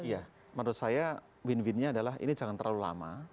ya menurut saya win win nya adalah ini jangan terlalu lama